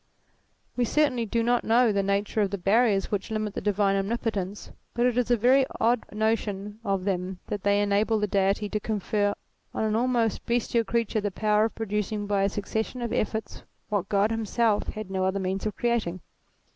"We certainly do not know the nature of the barriers which limit the divine omnipotence ; but it is a very odd notion of them that they enable the Deity to confer on an almost bestial creature the power of producing by a succession of efforts what God him self had no other means of creating.